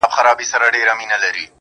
سترگي چي پټي كړي باڼه يې سره ورسي داسـي.